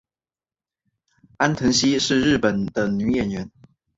安藤希是日本的女演员。